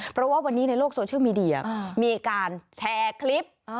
เพราะว่าวันนี้ในโลกโซเชียลมีเดียมีการแชร์คลิป